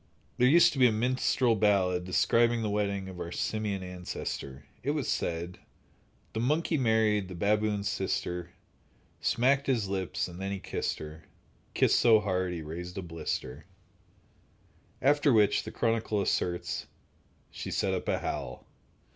There used to be a minstrel ballad describing the wedding of our simian ancestor. It was said: The monkey married the baboon's sister, Smacked his lips, and then he kissed her— Kissed so hard he raised a blister— After which, the chronicler asserts: She set up a howl.